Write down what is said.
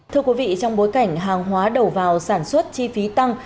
thưa quý vị trong bối cảnh hàng hóa đầu vào sản xuất chi phí tăng